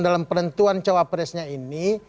dalam penentuan cowok presnya ini